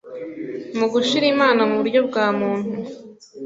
mugushira imana muburyo bwa muntu